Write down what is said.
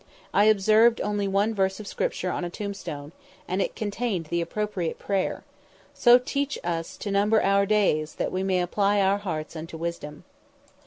I observed only one verse of Scripture on a tombstone, and it contained the appropriate prayer, "So teach us to number our days, that we may apply our hearts unto wisdom."